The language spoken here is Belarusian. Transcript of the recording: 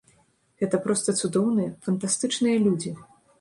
Гэта проста цудоўныя, фантастычныя людзі.